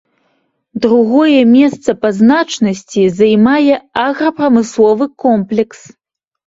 Другое месца па значнасці займае аграпрамысловы комплекс.